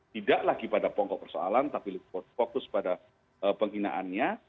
tidak lagi pada pokok persoalan tapi fokus pada penghinaannya